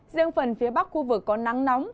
riêng phần phía bắc khu vực có nắng nóng